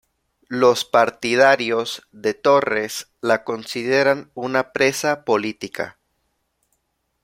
Los partidarios de Torres la consideran una presa política.